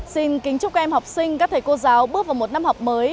xin kính chúc các em học sinh các thầy cô giáo bước vào một năm học mới